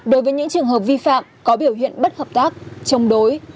đối với những trường hợp vi phạm có biểu hiện bất hợp tác chống đối